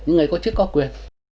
những người cố chức có quyền